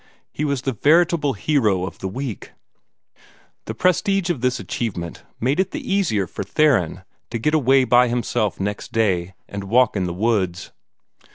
He was the veritable hero of the week. The prestige of this achievement made it the easier for Theron to get away by himself next day, and walk in the woods.